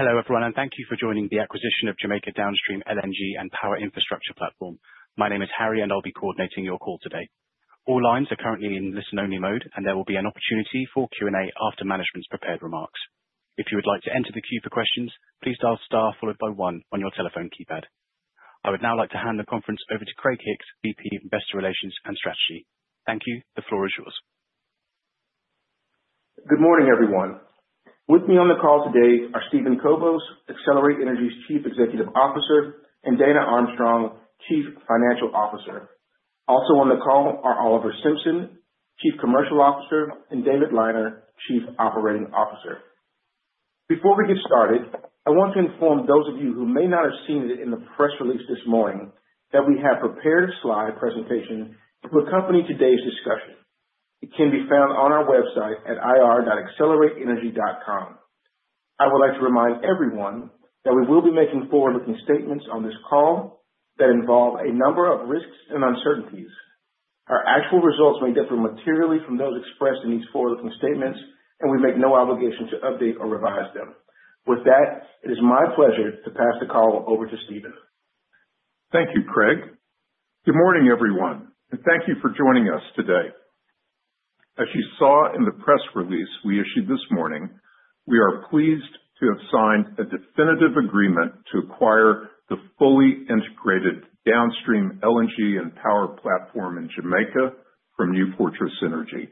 Hello everyone, and thank you for joining the acquisition of Jamaica Downstream LNG and Power Infrastructure Platform. My name is Harry, and I'll be coordinating your call today. All lines are currently in listen-only mode, and there will be an opportunity for Q&A after management's prepared remarks. If you would like to enter the queue for questions, please dial star followed by one on your telephone keypad. I would now like to hand the conference over to Craig Hicks, VP of Investor Relations and Strategy. Thank you, the floor is yours. Good morning, everyone. With me on the call today are Steven Kobos, Excelerate Energy's Chief Executive Officer, and Dana Armstrong, Chief Financial Officer. Also on the call are Oliver Simpson, Chief Commercial Officer, and David Liner, Chief Operating Officer. Before we get started, I want to inform those of you who may not have seen it in the press release this morning that we have prepared a slide presentation to accompany today's discussion. It can be found on our website at ir.excelerateenergy.com. I would like to remind everyone that we will be making forward-looking statements on this call that involve a number of risks and uncertainties. Our actual results may differ materially from those expressed in these forward-looking statements, and we make no obligation to update or revise them. With that, it is my pleasure to pass the call over to Steven. Thank you, Craig. Good morning, everyone, and thank you for joining us today. As you saw in the press release we issued this morning, we are pleased to have signed a definitive agreement to acquire the fully integrated downstream LNG and power platform in Jamaica from New Fortress Energy.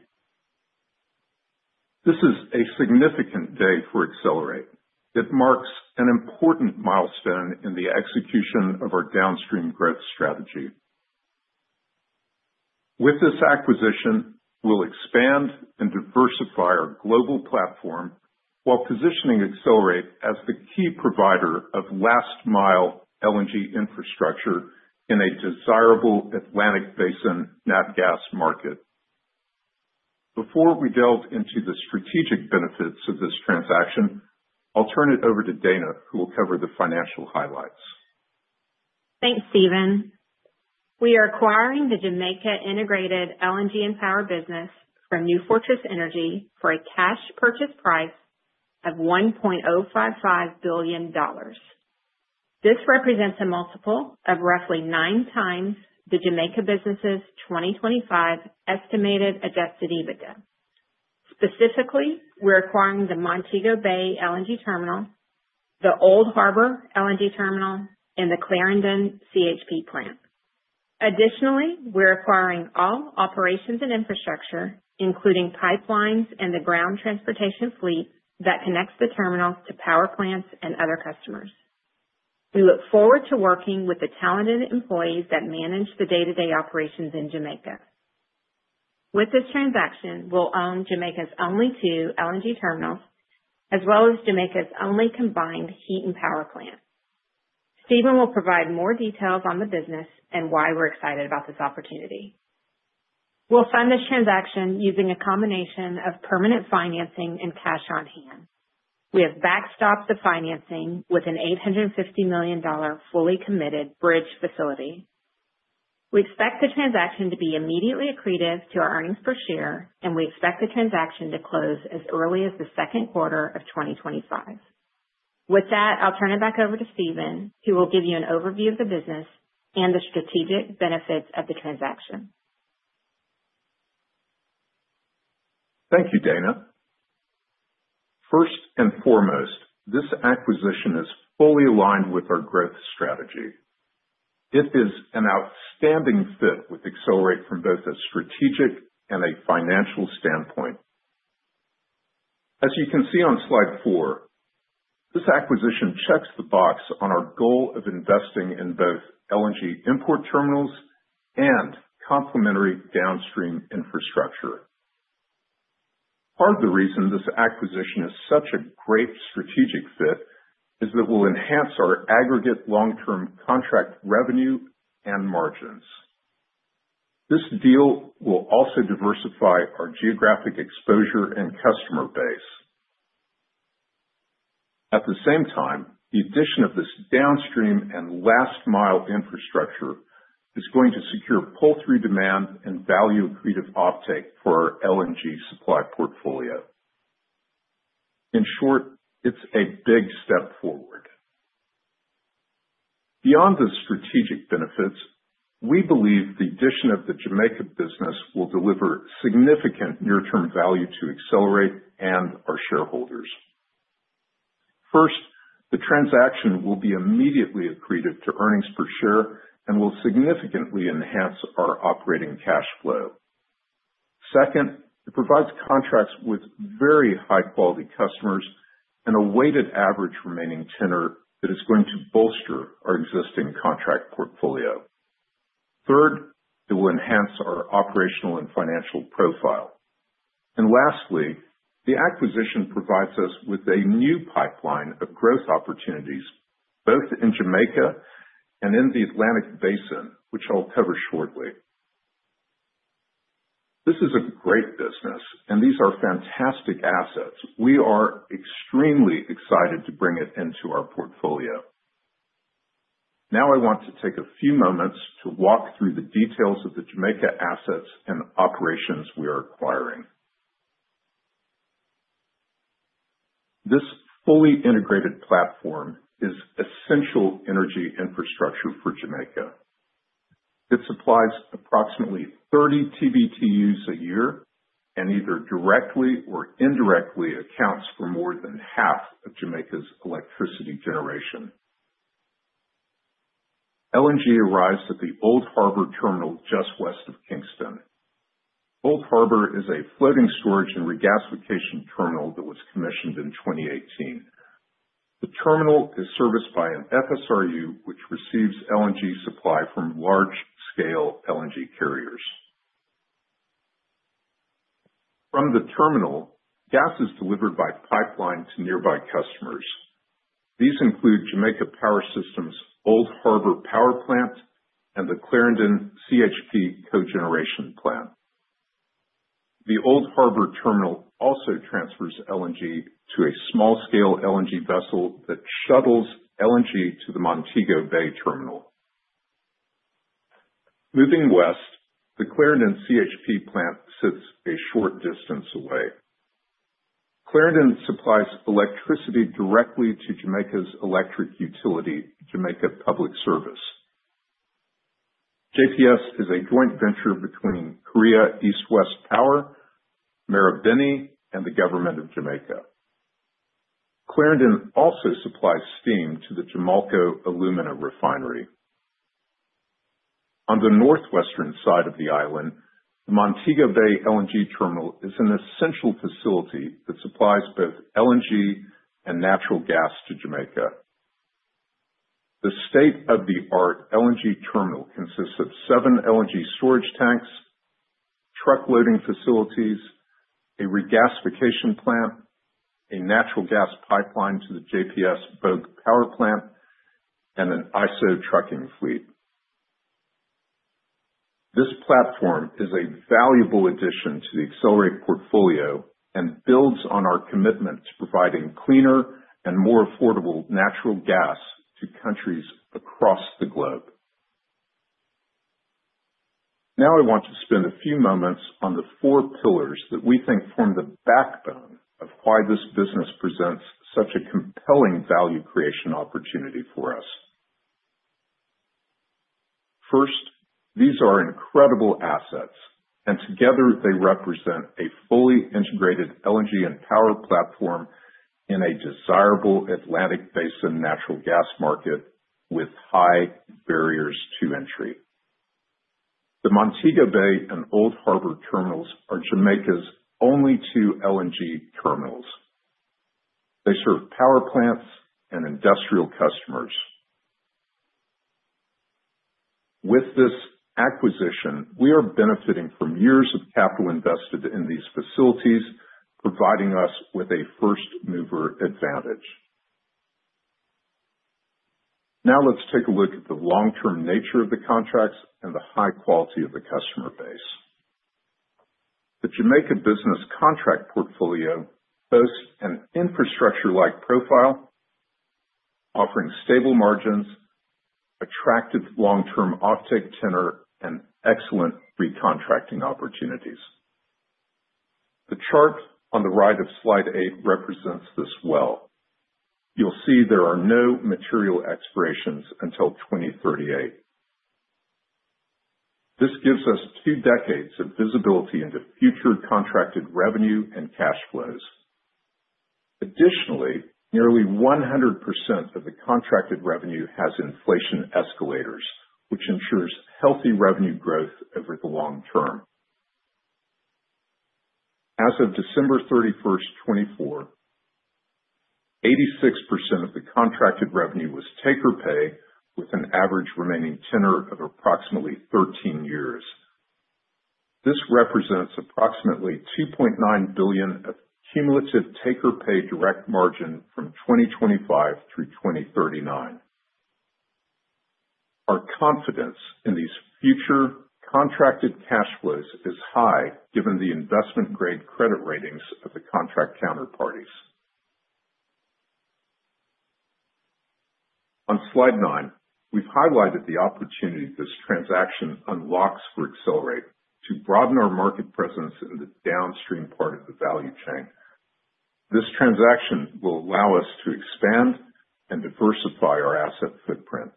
This is a significant day for Excelerate. It marks an important milestone in the execution of our downstream growth strategy. With this acquisition, we'll expand and diversify our global platform while positioning Excelerate as the key provider of last-mile LNG infrastructure in a desirable Atlantic Basin natural gas market. Before we delve into the strategic benefits of this transaction, I'll turn it over to Dana, who will cover the financial highlights. Thanks, Steven. We are acquiring the Jamaica Integrated LNG and Power business from New Fortress Energy for a cash purchase price of $1.055 billion. This represents a multiple of roughly nine times the Jamaica business's 2025 estimated Adjusted EBITDA. Specifically, we're acquiring the Montego Bay LNG terminal, the Old Harbour LNG terminal, and the Clarendon CHP plant. Additionally, we're acquiring all operations and infrastructure, including pipelines and the ground transportation fleet that connects the terminal to power plants and other customers. We look forward to working with the talented employees that manage the day-to-day operations in Jamaica. With this transaction, we'll own Jamaica's only two LNG terminals, as well as Jamaica's only combined heat and power plant. Steven will provide more details on the business and why we're excited about this opportunity. We'll fund this transaction using a combination of permanent financing and cash on hand. We have backstopped the financing with an $850 million fully committed bridge facility. We expect the transaction to be immediately accretive to our earnings per share, and we expect the transaction to close as early as the second quarter of 2025. With that, I'll turn it back over to Steven, who will give you an overview of the business and the strategic benefits of the transaction. Thank you, Dana. First and foremost, this acquisition is fully aligned with our growth strategy. It is an outstanding fit with Excelerate from both a strategic and a financial standpoint. As you can see on Slide four, this acquisition checks the box on our goal of investing in both LNG import terminals and complementary downstream infrastructure. Part of the reason this acquisition is such a great strategic fit is that it will enhance our aggregate long-term contract revenue and margins. This deal will also diversify our geographic exposure and customer base. At the same time, the addition of this downstream and last-mile infrastructure is going to secure pull-through demand and value-accretive offtake for our LNG supply portfolio. In short, it's a big step forward. Beyond the strategic benefits, we believe the addition of the Jamaica business will deliver significant near-term value to Excelerate and our shareholders. First, the transaction will be immediately accretive to earnings per share and will significantly enhance our operating cash flow. Second, it provides contracts with very high-quality customers and a weighted average remaining tenor that is going to bolster our existing contract portfolio. Third, it will enhance our operational and financial profile. Lastly, the acquisition provides us with a new pipeline of growth opportunities both in Jamaica and in the Atlantic Basin, which I'll cover shortly. This is a great business, and these are fantastic assets. We are extremely excited to bring it into our portfolio. Now I want to take a few moments to walk through the details of the Jamaica assets and operations we are acquiring. This fully integrated platform is essential energy infrastructure for Jamaica. It supplies approximately 30 TBTUs a year and either directly or indirectly accounts for more than half of Jamaica's electricity generation. LNG arrives at the Old Harbour terminal just west of Kingston. Old Harbour is a floating storage and regasification terminal that was commissioned in 2018. The terminal is serviced by an FSRU, which receives LNG supply from large-scale LNG carriers. From the terminal, gas is delivered by pipeline to nearby customers. These include Jamaica Public Service's Old Harbour Power Plant and the Clarendon CHP cogeneration plant. The Old Harbour terminal also transfers LNG to a small-scale LNG vessel that shuttles LNG to the Montego Bay terminal. Moving west, the Clarendon CHP plant sits a short distance away. Clarendon supplies electricity directly to Jamaica's electric utility, Jamaica Public Service. JPS is a joint venture between Korea East-West Power, Marubeni, and the government of Jamaica. Clarendon also supplies steam to the Jamalco Alumina Refinery. On the northwestern side of the island, the Montego Bay LNG terminal is an essential facility that supplies both LNG and natural gas to Jamaica. The state-of-the-art LNG terminal consists of seven LNG storage tanks, truck loading facilities, a regasification plant, a natural gas pipeline to the JPS Bogue Power Plant, and an ISO trucking fleet. This platform is a valuable addition to the Excelerate portfolio and builds on our commitment to providing cleaner and more affordable natural gas to countries across the globe. Now I want to spend a few moments on the four pillars that we think form the backbone of why this business presents such a compelling value creation opportunity for us. First, these are incredible assets, and together they represent a fully integrated LNG and power platform in a desirable Atlantic Basin natural gas market with high barriers to entry. The Montego Bay and Old Harbour terminals are Jamaica's only two LNG terminals. They serve power plants and industrial customers. With this acquisition, we are benefiting from years of capital invested in these facilities, providing us with a first-mover advantage. Now let's take a look at the long-term nature of the contracts and the high quality of the customer base. The Jamaica business contract portfolio boasts an infrastructure-like profile, offering stable margins, attractive long-term offtake tenor, and excellent recontracting opportunities. The chart on the right of Slide eight represents this well. You'll see there are no material expirations until 2038. This gives us two decades of visibility into future contracted revenue and cash flows. Additionally, nearly 100% of the contracted revenue has inflation escalators, which ensures healthy revenue growth over the long term. As of December 31, 2024, 86% of the contracted revenue was take-or-pay, with an average remaining tenor of approximately 13 years. This represents approximately $2.9 billion of cumulative take-or-pay direct margin from 2025 through 2039. Our confidence in these future contracted cash flows is high, given the investment-grade credit ratings of the contract counterparties. On Slide nine, we've highlighted the opportunity this transaction unlocks for Excelerate to broaden our market presence in the downstream part of the value chain. This transaction will allow us to expand and diversify our asset footprint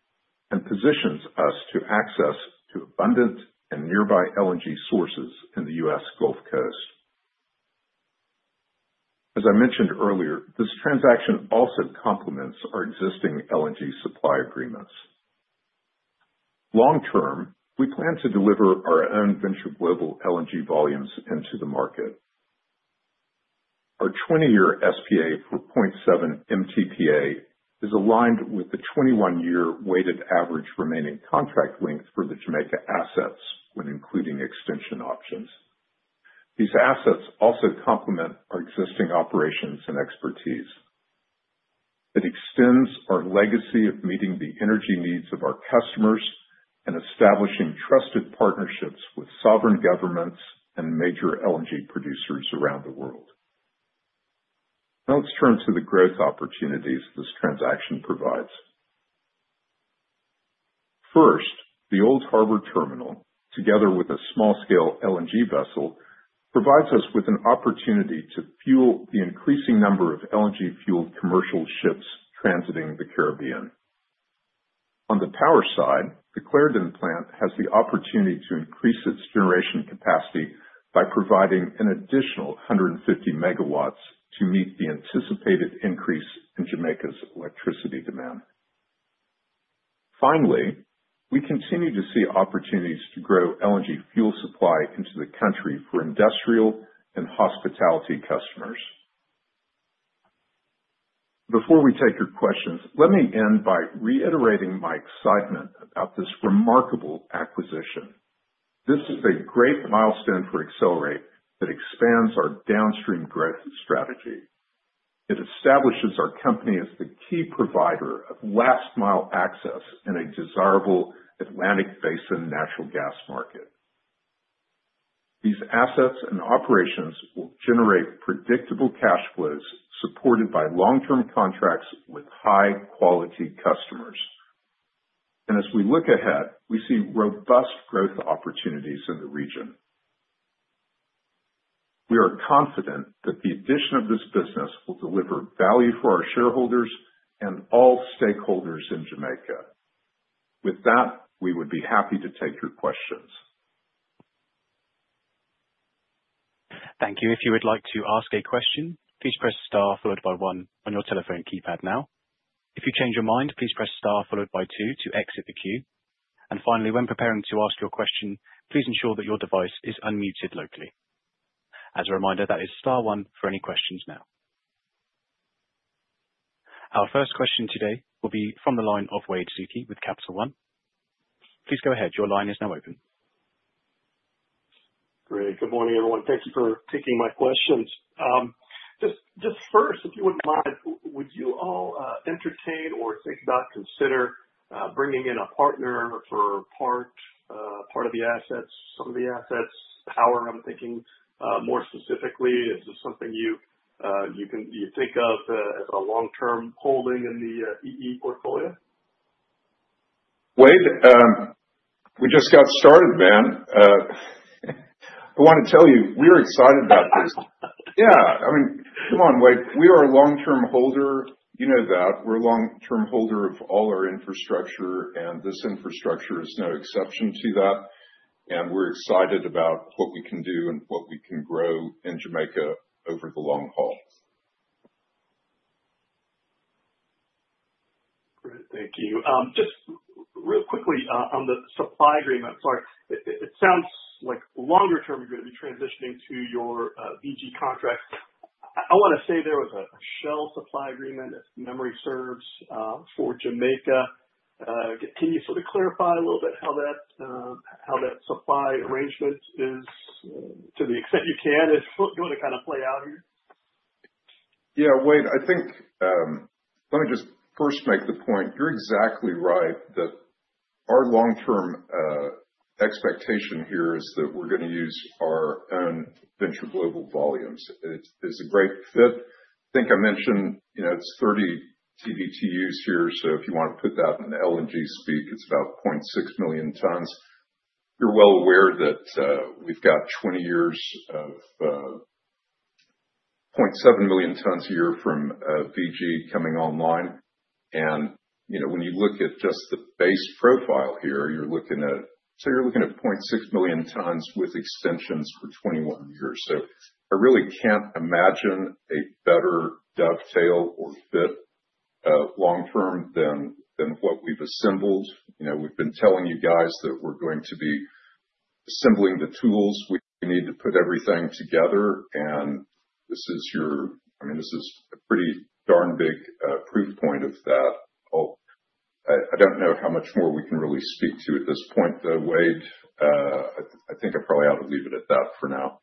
and positions us to access abundant and nearby LNG sources in the U.S. Gulf Coast. As I mentioned earlier, this transaction also complements our existing LNG supply agreements. Long term, we plan to deliver our own Venture Global LNG volumes into the market. Our 20-year SPA for 0.7 MTPA is aligned with the 21-year weighted average remaining contract length for the Jamaica assets when including extension options. These assets also complement our existing operations and expertise. It extends our legacy of meeting the energy needs of our customers and establishing trusted partnerships with sovereign governments and major LNG producers around the world. Now let's turn to the growth opportunities this transaction provides. First, the Old Harbour terminal, together with a small-scale LNG vessel, provides us with an opportunity to fuel the increasing number of LNG-fueled commercial ships transiting the Caribbean. On the power side, the Clarendon plant has the opportunity to increase its generation capacity by providing an additional 150 megawatts to meet the anticipated increase in Jamaica's electricity demand. Finally, we continue to see opportunities to grow LNG fuel supply into the country for industrial and hospitality customers. Before we take your questions, let me end by reiterating my excitement about this remarkable acquisition. This is a great milestone for Excelerate that expands our downstream growth strategy. It establishes our company as the key provider of last-mile access in a desirable Atlantic Basin natural gas market. These assets and operations will generate predictable cash flows supported by long-term contracts with high-quality customers. As we look ahead, we see robust growth opportunities in the region. We are confident that the addition of this business will deliver value for our shareholders and all stakeholders in Jamaica. With that, we would be happy to take your questions. Thank you. If you would like to ask a question, please press star followed by one on your telephone keypad now. If you change your mind, please press star followed by two to exit the queue. Finally, when preparing to ask your question, please ensure that your device is unmuted locally. As a reminder, that is star one for any questions now. Our first question today will be from the line of Wade Suki with Capital One. Please go ahead. Your line is now open. Great. Good morning, everyone. Thank you for taking my questions. Just first, if you wouldn't mind, would you all entertain or think about considering bringing in a partner for part of the assets, some of the assets? Power, I'm thinking more specifically. Is this something you think of as a long-term holding in the EE portfolio? Wade, we just got started, man. I want to tell you, we're excited about this. Yeah. I mean, come on, Wade. We are a long-term holder. You know that. We're a long-term holder of all our infrastructure, and this infrastructure is no exception to that. We're excited about what we can do and what we can grow in Jamaica over the long haul. Great. Thank you. Just real quickly on the supply agreement, sorry. It sounds like longer-term agreement. You're transitioning to your VG contracts. I want to say there was a Shell supply agreement, if memory serves, for Jamaica. Can you sort of clarify a little bit how that supply arrangement is, to the extent you can? Is it going to kind of play out here? Yeah, Wade, I think let me just first make the point. You're exactly right that our long-term expectation here is that we're going to use our own Venture Global volumes. It's a great fit. I think I mentioned it's 30 TBTUs here, so if you want to put that in LNG speak, it's about 0.6 million tons. You're well aware that we've got 20 years of 0.7 million tons a year from VG coming online. When you look at just the base profile here, you're looking at, so you're looking at 0.6 million tons with extensions for 21 years. I really can't imagine a better dovetail or fit long-term than what we've assembled. We've been telling you guys that we're going to be assembling the tools. We need to put everything together. This is your, I mean, this is a pretty darn big proof point of that. I don't know how much more we can really speak to at this point, though, Wade. I think I probably ought to leave it at that for now.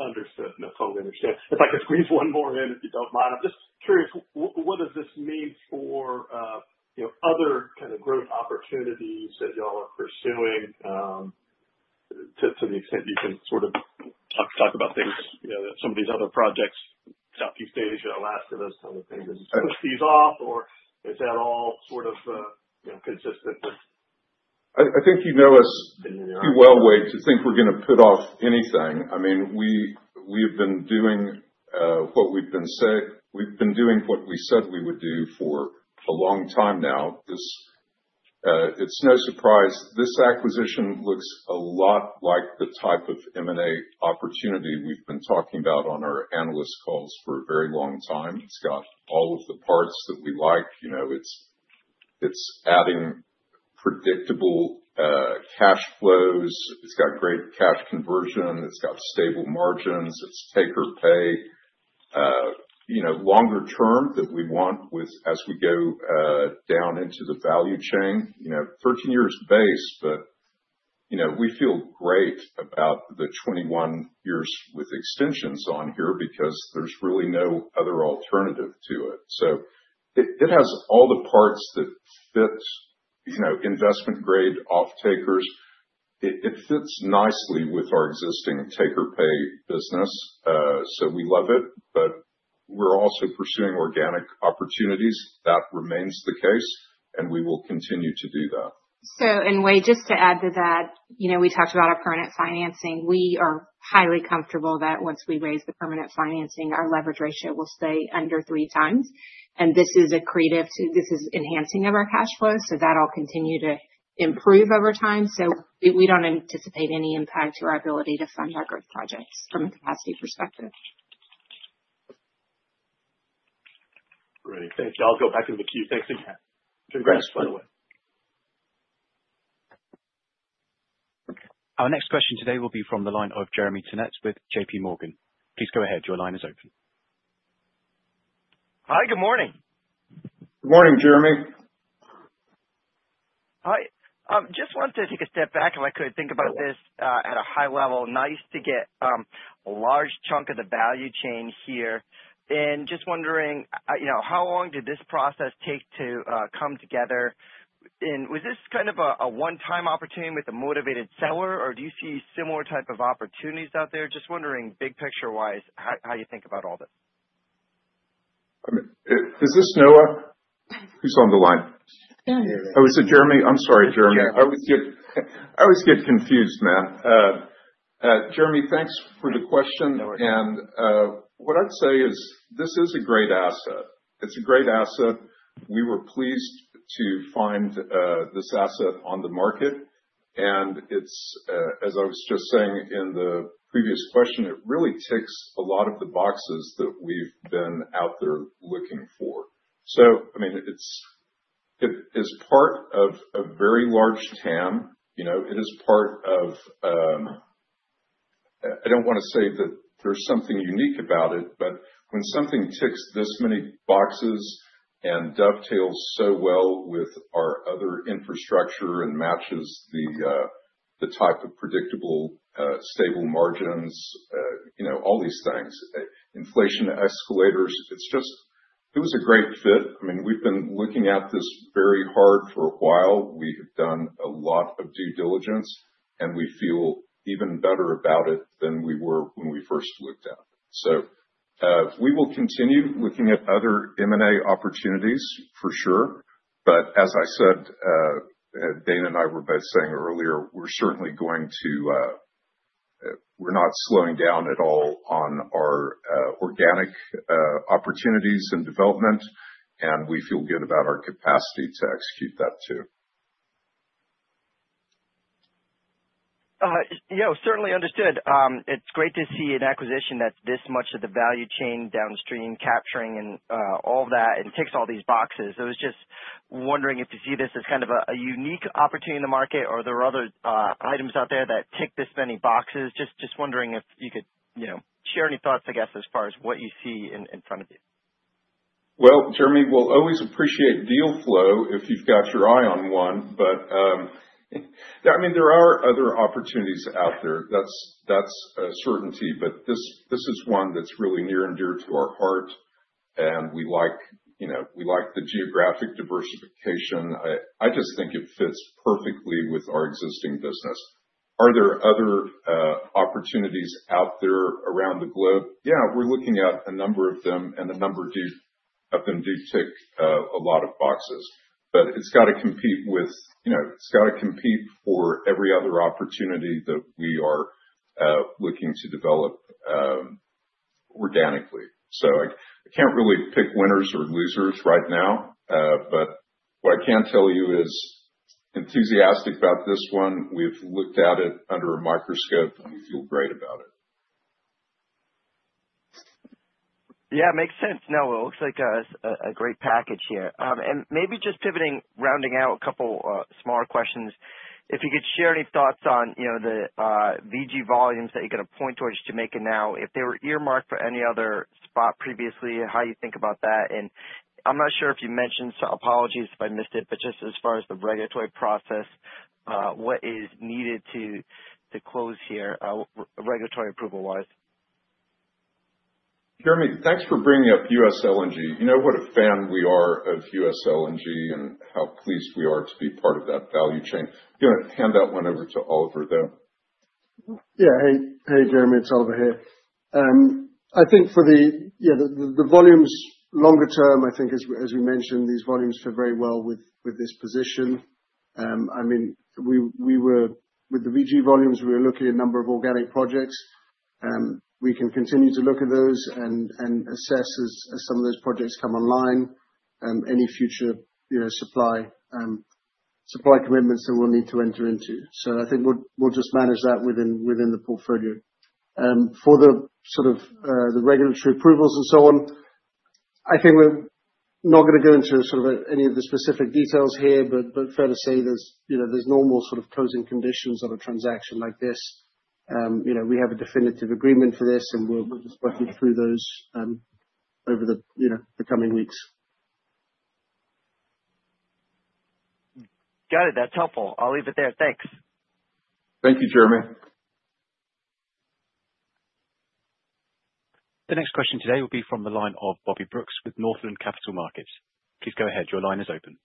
Understood. That's all I understand. If I could squeeze one more in, if you don't mind, I'm just curious, what does this mean for other kind of growth opportunities that y'all are pursuing to the extent you can sort of talk about things, some of these other projects, Southeast Asia, Alaska, those kinds of things? Does it push these off, or is that all sort of consistent with? I think you know us too well, Wade, to think we're going to put off anything. I mean, we have been doing what we've been saying. We've been doing what we said we would do for a long time now. It's no surprise. This acquisition looks a lot like the type of M&A opportunity we've been talking about on our analyst calls for a very long time. It's got all of the parts that we like. It's adding predictable cash flows. It's got great cash conversion. It's got stable margins. It's take-or-pay. Longer-term that we want as we go down into the value chain. Thirteen years base, but we feel great about the twenty-one years with extensions on here because there's really no other alternative to it. It has all the parts that fit investment-grade off-takers. It fits nicely with our existing take-or-pay business. We love it, but we're also pursuing organic opportunities. That remains the case, and we will continue to do that. Wade, just to add to that, we talked about our permanent financing. We are highly comfortable that once we raise the permanent financing, our leverage ratio will stay under three times. This is accretive—this is enhancing of our cash flow. That will continue to improve over time. We do not anticipate any impact to our ability to fund our growth projects from a capacity perspective. Great. Thank you. I'll go back into the queue. Thanks again. Congrats, by the way. Our next question today will be from the line of Jeremy Tonet with J.P. Morgan. Please go ahead. Your line is open. Hi, good morning. Good morning, Jeremy. Hi. Just wanted to take a step back if I could think about this at a high level. Nice to get a large chunk of the value chain here. Just wondering, how long did this process take to come together? Was this kind of a one-time opportunity with a motivated seller, or do you see similar type of opportunities out there? Just wondering, big picture-wise, how you think about all this? Is this Noah? Who's on the line? Oh, is it Jeremy? I'm sorry, Jeremy. I always get confused, man. Jeremy, thanks for the question. What I'd say is this is a great asset. It's a great asset. We were pleased to find this asset on the market. As I was just saying in the previous question, it really ticks a lot of the boxes that we've been out there looking for. I mean, it is part of a very large TAM. It is part of—I don't want to say that there's something unique about it, but when something ticks this many boxes and dovetails so well with our other infrastructure and matches the type of predictable, stable margins, all these things, inflation escalators, it's just—it was a great fit. I mean, we've been looking at this very hard for a while. We have done a lot of due diligence, and we feel even better about it than we were when we first looked at it. We will continue looking at other M&A opportunities, for sure. As I said, Dana and I were both saying earlier, we're certainly going to—we're not slowing down at all on our organic opportunities and development, and we feel good about our capacity to execute that too. Yeah, certainly understood. It's great to see an acquisition that's this much of the value chain downstream, capturing and all of that, and ticks all these boxes. I was just wondering if you see this as kind of a unique opportunity in the market, or are there other items out there that tick this many boxes? Just wondering if you could share any thoughts, I guess, as far as what you see in front of you. Jeremy, we'll always appreciate deal flow if you've got your eye on one. I mean, there are other opportunities out there. That's a certainty. This is one that's really near and dear to our heart, and we like the geographic diversification. I just think it fits perfectly with our existing business. Are there other opportunities out there around the globe? Yeah, we're looking at a number of them, and a number of them do tick a lot of boxes. It's got to compete with—it's got to compete for every other opportunity that we are looking to develop organically. I can't really pick winners or losers right now. What I can tell you is enthusiastic about this one. We've looked at it under a microscope, and we feel great about it. Yeah, makes sense. No, it looks like a great package here. Maybe just pivoting, rounding out a couple of smaller questions. If you could share any thoughts on the VG volumes that you're going to point towards Jamaica now, if they were earmarked for any other spot previously, how you think about that. I'm not sure if you mentioned—apologies if I missed it—but just as far as the regulatory process, what is needed to close here, regulatory approval-wise? Jeremy, thanks for bringing up U.S. LNG. You know what a fan we are of U.S. LNG and how pleased we are to be part of that value chain. I'm going to hand that one over to Oliver, though. Yeah. Hey, Jeremy. It's Oliver here. I think for the volumes, longer-term, I think, as we mentioned, these volumes fit very well with this position. I mean, with the VG volumes, we were looking at a number of organic projects. We can continue to look at those and assess as some of those projects come online, any future supply commitments that we'll need to enter into. I think we'll just manage that within the portfolio. For the sort of regulatory approvals and so on, I think we're not going to go into sort of any of the specific details here, but fair to say there's normal sort of closing conditions on a transaction like this. We have a definitive agreement for this, and we'll just work you through those over the coming weeks. Got it. That's helpful. I'll leave it there. Thanks. Thank you, Jeremy. The next question today will be from the line of Bobby Brooks with Northland Capital Markets. Please go ahead. Your line is open.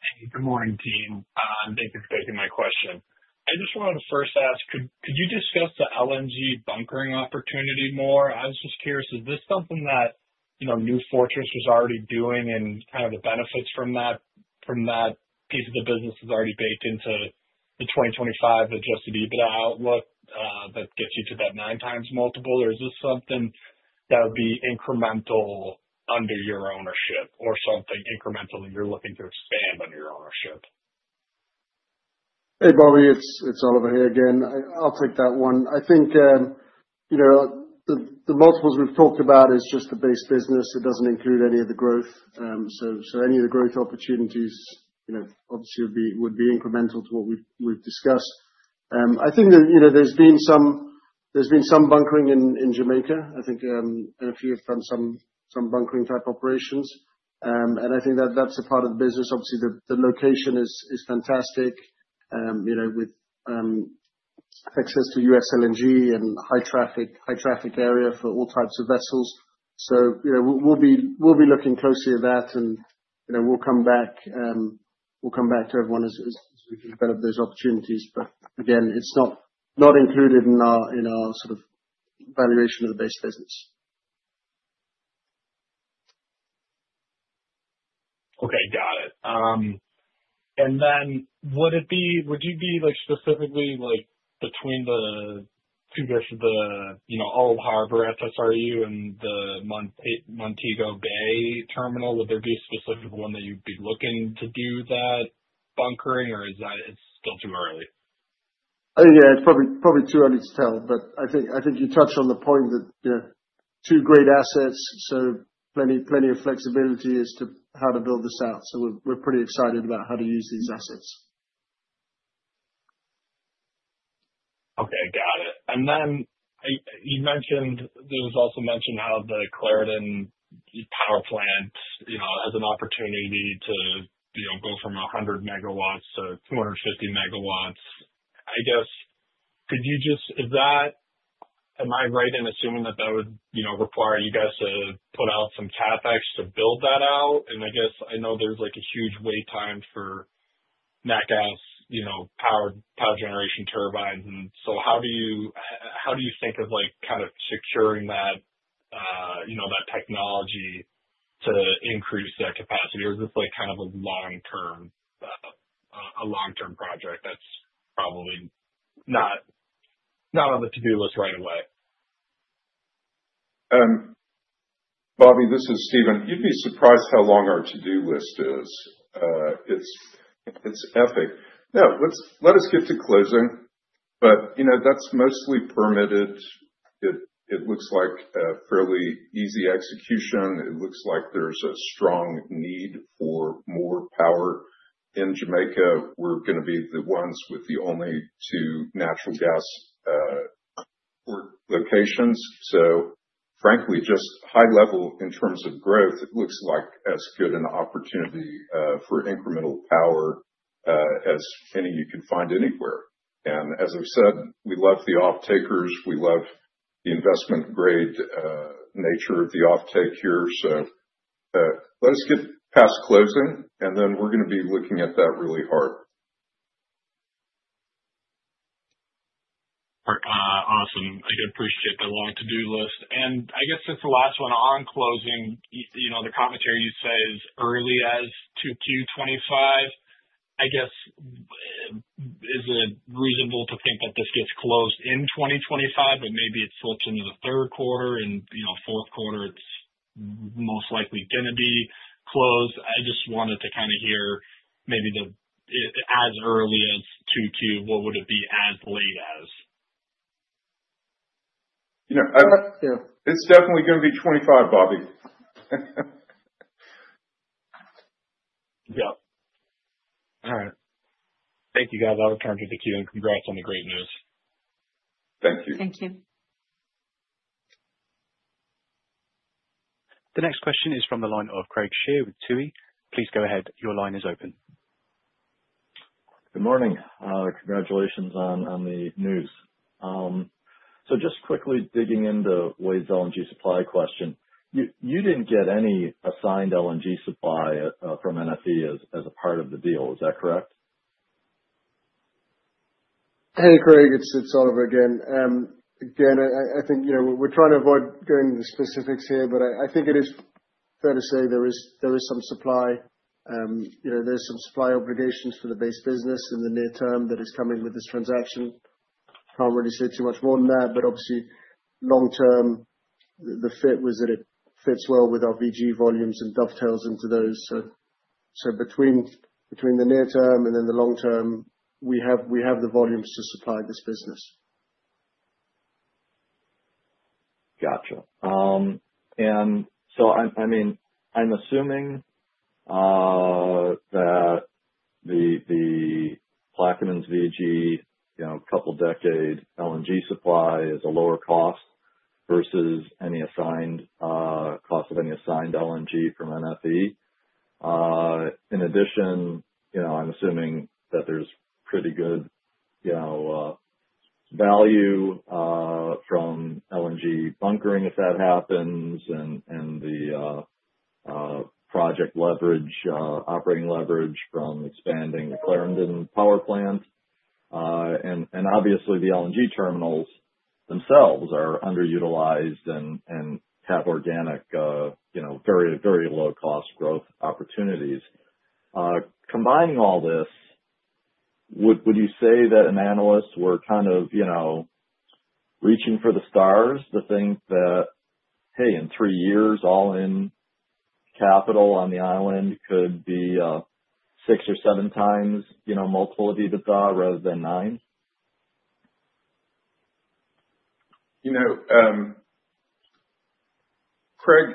Hey, good morning, team. Thank you for taking my question. I just wanted to first ask, could you discuss the LNG bunkering opportunity more? I was just curious, is this something that New Fortress was already doing and kind of the benefits from that piece of the business is already baked into the 2025 Adjusted EBITDA outlook that gets you to that nine times multiple? Or is this something that would be incremental under your ownership or something incrementally you're looking to expand under your ownership? Hey, Bobby. It's Oliver here again. I'll take that one. I think the multiples we've talked about is just the base business. It doesn't include any of the growth. Any of the growth opportunities, obviously, would be incremental to what we've discussed. I think there's been some bunkering in Jamaica. I think a few have done some bunkering type operations. I think that that's a part of the business. Obviously, the location is fantastic with access to U.S. LNG and high traffic area for all types of vessels. We'll be looking closely at that, and we'll come back to everyone as we develop those opportunities. Again, it's not included in our sort of valuation of the base business. Okay. Got it. Would you be specifically between the two gifts of the Old Harbour FSRU and the Montego Bay terminal, would there be a specific one that you'd be looking to do that bunkering, or is that still too early? Yeah, it's probably too early to tell. I think you touched on the point that two great assets, so plenty of flexibility as to how to build this out. We're pretty excited about how to use these assets. Okay. Got it. You mentioned there was also mention how the Clarendon power plant has an opportunity to go from 100 MW to 250 MW. I guess, could you just—am I right in assuming that that would require you guys to put out some CapEx to build that out? I guess I know there's a huge wait time for GE gas power generation turbines. How do you think of kind of securing that technology to increase that capacity? Is this kind of a long-term project that's probably not on the to-do list right away? Bobby, this is Steven. You'd be surprised how long our to-do list is. It's epic. Let us get to closing. That is mostly permitted. It looks like a fairly easy execution. It looks like there's a strong need for more power in Jamaica. We're going to be the ones with the only two natural gas locations. Frankly, just high level in terms of growth, it looks like as good an opportunity for incremental power as any you could find anywhere. As I've said, we love the off-takers. We love the investment-grade nature of the off-take here. Let us get past closing, and then we're going to be looking at that really hard. Awesome. I can appreciate the long to-do list. I guess just the last one on closing, the commentary you say is early as Q2 2025. I guess, is it reasonable to think that this gets closed in 2025? Maybe it slips into the third quarter and fourth quarter, it's most likely going to be closed. I just wanted to kind of hear maybe as early as Q2, what would it be as late as? It's definitely going to be 25, Bobby. Yeah. All right. Thank you, guys. I'll return to the queue and congrats on the great news. Thank you. Thank you. The next question is from the line of Craig Shere with Tuohy. Please go ahead. Your line is open. Good morning. Congratulations on the news. Just quickly digging into Wade's LNG supply question, you did not get any assigned LNG supply from NFE as a part of the deal. Is that correct? Hey, Craig. It's Oliver again. I think we're trying to avoid going into specifics here, but I think it is fair to say there is some supply. There are some supply obligations for the base business in the near term that is coming with this transaction. Can't really say too much more than that. Obviously, long term, the fit was that it fits well with our VG volumes and dovetails into those. Between the near term and then the long term, we have the volumes to supply this business. Gotcha. I mean, I'm assuming that the Plaquemines VG, a couple of decade LNG supply is a lower cost versus any assigned cost of any assigned LNG from NFE. In addition, I'm assuming that there's pretty good value from LNG bunkering if that happens and the project leverage, operating leverage from expanding the Clarendon power plant. Obviously, the LNG terminals themselves are underutilized and have organic, very, very low-cost growth opportunities. Combining all this, would you say that analysts were kind of reaching for the stars to think that, hey, in three years, all-in capital on the island could be six or seven times multiple of EBITDA rather than nine? Craig,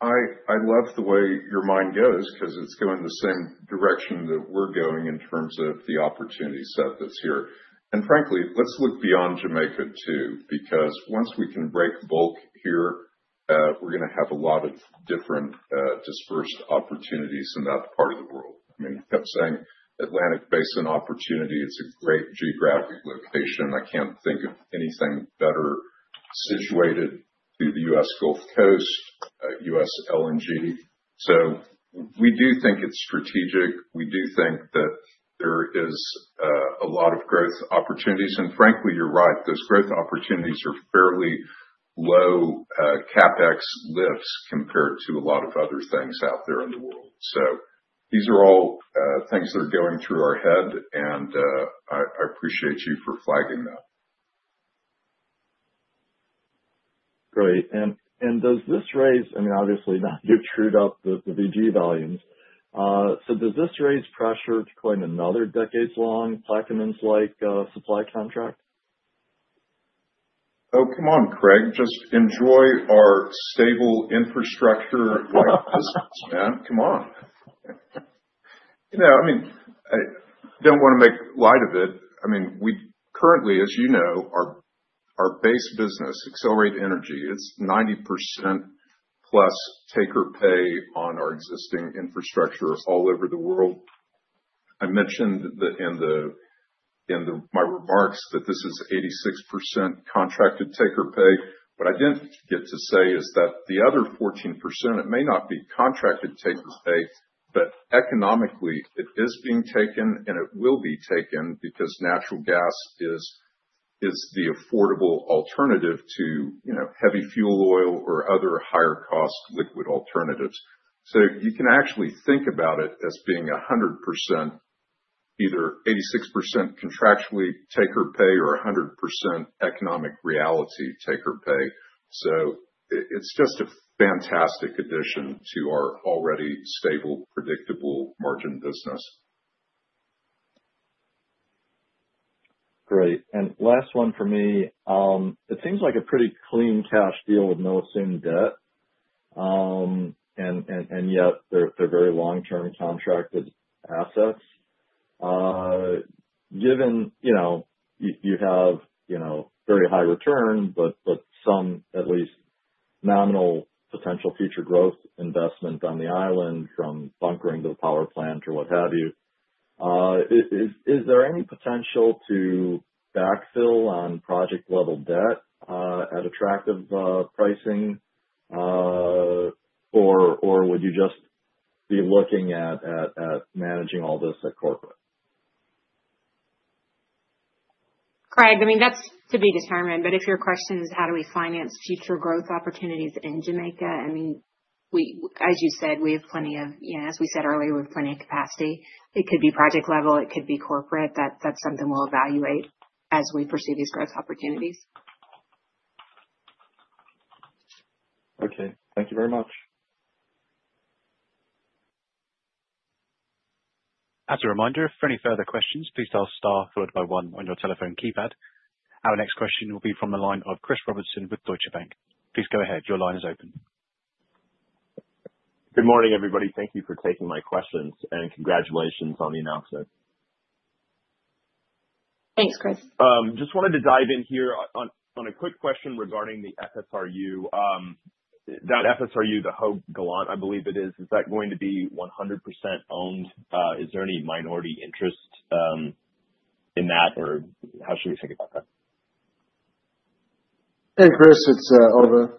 I love the way your mind goes because it's going the same direction that we're going in terms of the opportunity set that's here. And frankly, let's look beyond Jamaica too because once we can break bulk here, we're going to have a lot of different dispersed opportunities in that part of the world. I mean, kept saying Atlantic Basin opportunity. It's a great geographic location. I can't think of anything better situated to the U.S. Gulf Coast, U.S. LNG. So we do think it's strategic. We do think that there is a lot of growth opportunities. And frankly, you're right. Those growth opportunities are fairly low CapEx lifts compared to a lot of other things out there in the world. So these are all things that are going through our head, and I appreciate you for flagging that. Great. Does this raise—I mean, obviously, now you have trued up the VG volumes. Does this raise pressure to claim another decades-long Plaquemines-like supply contract? Oh, come on, Craig. Just enjoy our stable infrastructure like business, man. Come on. I mean, I don't want to make light of it. I mean, we currently, as you know, our base business, Excelerate Energy, it's 90% plus take or pay on our existing infrastructure all over the world. I mentioned in my remarks that this is 86% contracted take or pay. What I didn't get to say is that the other 14%, it may not be contracted take or pay, but economically, it is being taken, and it will be taken because natural gas is the affordable alternative to heavy fuel oil or other higher-cost liquid alternatives. You can actually think about it as being 100% either 86% contractually take or pay or 100% economic reality take or pay. It is just a fantastic addition to our already stable, predictable margin business. Great. Last one for me. It seems like a pretty clean cash deal with no assumed debt. Yet, they're very long-term contracted assets. Given you have very high return, but some at least nominal potential future growth investment on the island from bunkering to the power plant or what have you, is there any potential to backfill on project-level debt at attractive pricing, or would you just be looking at managing all this at corporate? Craig, I mean, that's to be determined. If your question is, how do we finance future growth opportunities in Jamaica? I mean, as you said, we have plenty of—as we said earlier, we have plenty of capacity. It could be project level. It could be corporate. That's something we'll evaluate as we pursue these growth opportunities. Okay. Thank you very much. As a reminder, for any further questions, please dial star followed by one on your telephone keypad. Our next question will be from the line of Chris Robertson with Deutsche Bank. Please go ahead. Your line is open. Good morning, everybody. Thank you for taking my questions, and congratulations on the announcement. Thanks, Chris. Just wanted to dive in here on a quick question regarding the FSRU. That FSRU, the Höegh Gallant, I believe it is, is that going to be 100% owned? Is there any minority interest in that, or how should we think about that? Hey, Chris. It's Oliver.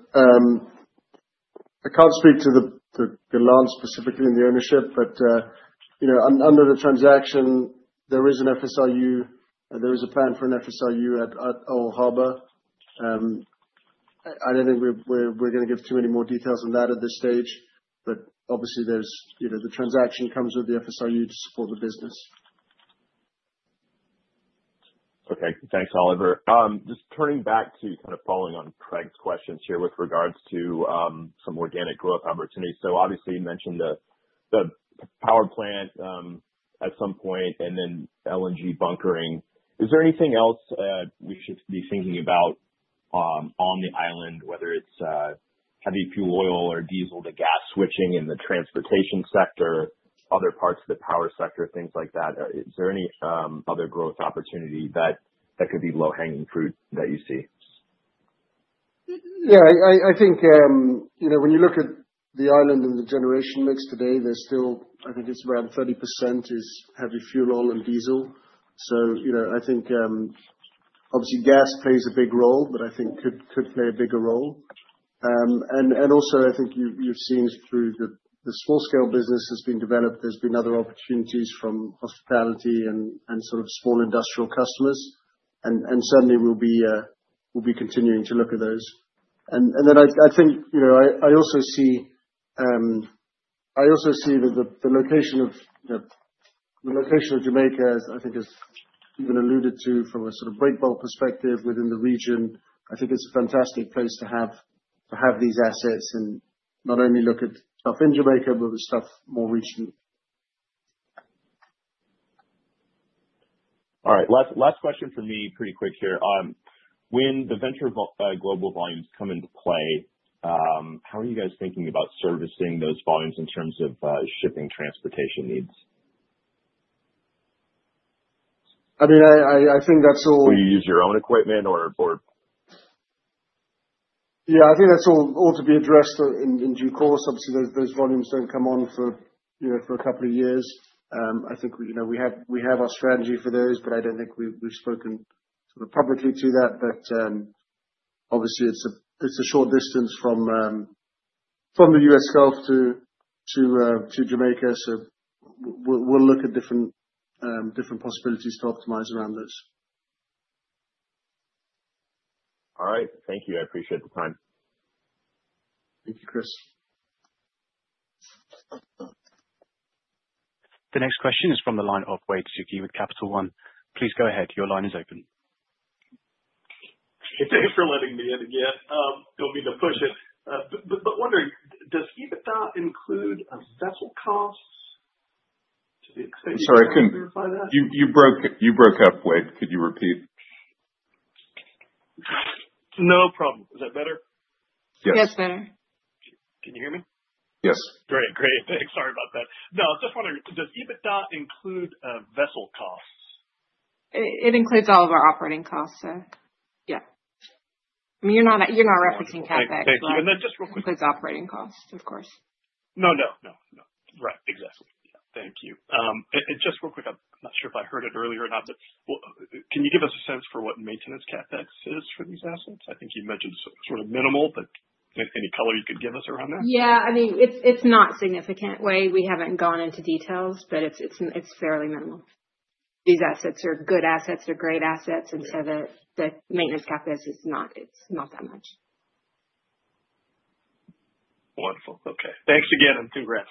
I can't speak to the Gallant specifically in the ownership, but under the transaction, there is an FSRU. There is a plan for an FSRU at Old Harbour. I don't think we're going to give too many more details on that at this stage. Obviously, the transaction comes with the FSRU to support the business. Okay. Thanks, Oliver. Just turning back to kind of following on Craig's questions here with regards to some organic growth opportunities. Obviously, you mentioned the power plant at some point and then LNG bunkering. Is there anything else we should be thinking about on the island, whether it's heavy fuel oil or diesel to gas switching in the transportation sector, other parts of the power sector, things like that? Is there any other growth opportunity that could be low-hanging fruit that you see? Yeah. I think when you look at the island and the generation mix today, I think it's around 30% is heavy fuel oil and diesel. I think, obviously, gas plays a big role, but I think could play a bigger role. Also, I think you've seen through the small-scale business has been developed. There's been other opportunities from hospitality and sort of small industrial customers. Certainly, we'll be continuing to look at those. I also see that the location of Jamaica, I think, has been alluded to from a sort of breakbulk perspective within the region. I think it's a fantastic place to have these assets and not only look at stuff in Jamaica, but with stuff more recently. All right. Last question for me, pretty quick here. When the Venture Global volumes come into play, how are you guys thinking about servicing those volumes in terms of shipping transportation needs? I mean, I think that's all. Do you use your own equipment or? Yeah. I think that's all to be addressed in due course. Obviously, those volumes don't come on for a couple of years. I think we have our strategy for those, but I don't think we've spoken sort of publicly to that. Obviously, it's a short distance from the U.S. Gulf to Jamaica. We'll look at different possibilities to optimize around this. All right. Thank you. I appreciate the time. Thank you, Chris. The next question is from the line of Wade Suki with Capital One. Please go ahead. Your line is open. Thanks for letting me in again. Don't mean to push it. But wondering, does EBITDA include assessment costs to the extent you can verify that? Sorry. You broke up, Wade. Could you repeat? No problem. Is that better? Yes. Yes, better. Can you hear me? Yes. Great. Great. Thanks. Sorry about that. No, just wondering, does EBITDA include vessel costs? It includes all of our operating costs, sir. Yeah. I mean, you're not referencing CapEx, but it includes operating costs, of course. No, no, no, no. Right. Exactly. Yeah. Thank you. Just real quick, I'm not sure if I heard it earlier or not, but can you give us a sense for what maintenance CapEx is for these assets? I think you mentioned sort of minimal, but any color you could give us around that? Yeah. I mean, it's not significant, Wade. We haven't gone into details, but it's fairly minimal. These assets are good assets. They're great assets. The maintenance CapEx is not that much. Wonderful. Okay. Thanks again and congrats.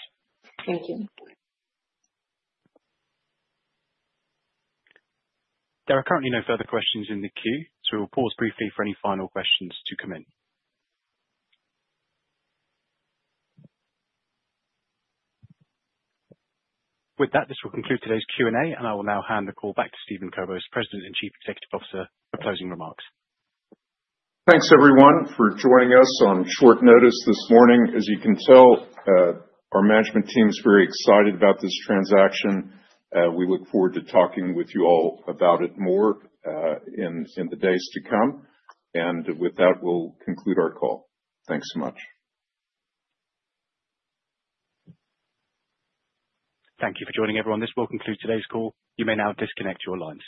Thank you. There are currently no further questions in the queue, so we'll pause briefly for any final questions to come in. With that, this will conclude today's Q&A, and I will now hand the call back to Steven Kobos, President and Chief Executive Officer, for closing remarks. Thanks, everyone, for joining us on short notice this morning. As you can tell, our management team is very excited about this transaction. We look forward to talking with you all about it more in the days to come. With that, we'll conclude our call. Thanks so much. Thank you for joining, everyone. This will conclude today's call. You may now disconnect your lines.